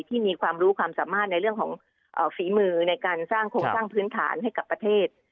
ที่มีความรู้ความสามารถในเรื่องของฝีมือในการสร้างโครงสร้างพื้นฐานให้กับประเทศ